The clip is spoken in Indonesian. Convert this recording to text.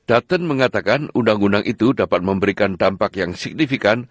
dutton mengatakan undang undang itu dapat memberikan dampak yang signifikan